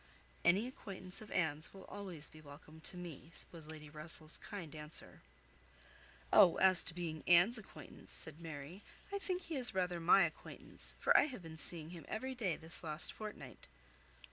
"Any acquaintance of Anne's will always be welcome to me," was Lady Russell's kind answer. "Oh! as to being Anne's acquaintance," said Mary, "I think he is rather my acquaintance, for I have been seeing him every day this last fortnight."